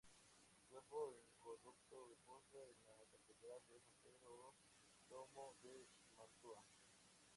Su cuerpo incorrupto reposa en la Catedral de San Pedro o Duomo de Mantua.